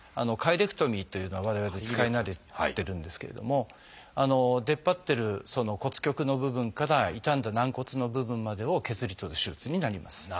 「カイレクトミー」というのは我々使い慣れてるんですけれども出っ張ってる骨棘の部分から傷んだ軟骨の部分までを削り取る手術になります。